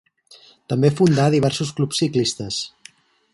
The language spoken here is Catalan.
També fundà diversos clubs ciclistes.